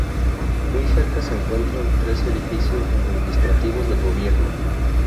Muy cerca se encuentran tres edificios administrativos del gobierno.